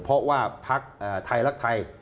เพราะว่าพักทายลักทาย